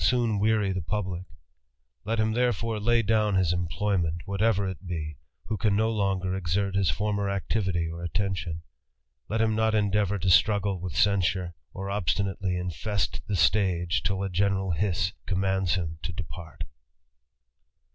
^€^nr^ tyf^iy ^^^ pnKliyif Let him therefore lay down his employment, whatever it be, who can no longer exert his former activity or attention; let him not endeavour to struggle with censure, or obstinately infest the stage till a general hiss commands him to depart* • Note XVIII.